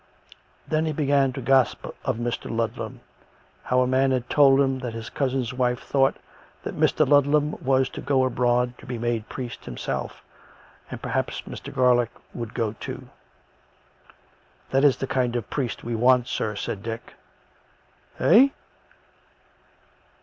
Then he began to gossip of Mr. Ludlam ; how a man had told him that his cousin's wife thought that Mr, Ludlam was to go abroad to be made priest himself, and that perhaps Mr. Garlick would go too. " That is the kind of priest we want, sir," said Dick. "Eh.?"